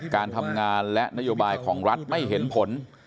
การทำงานและนโยบายของรัฐไม่เห็นผล